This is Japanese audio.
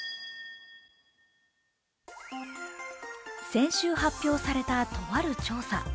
先週発表された、とある調査。